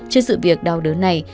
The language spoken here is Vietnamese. trên sự việc đau đớn này